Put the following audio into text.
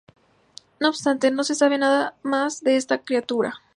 No obstante, no se sabe nada más de esta criatura.